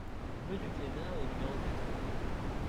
Rue du Clédat au numéro quatre